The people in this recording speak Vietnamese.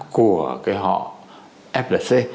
của họ flc